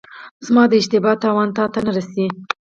زما د اشتبا تاوان تاته نه رسي.